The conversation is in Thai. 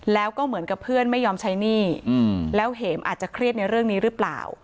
แล้วก็เหมือนกับเพื่อนไม่ยอมใช้หนี้แล้วเหมอาจจะเครียดในเรื่องนี้หรือเปล่า